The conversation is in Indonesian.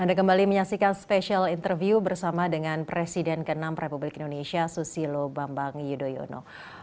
anda kembali menyaksikan spesial interview bersama dengan presiden ke enam republik indonesia susilo bambang yudhoyono